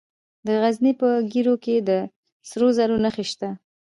د غزني په ګیرو کې د سرو زرو نښې شته.